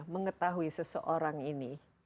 mengetahui seseorang ini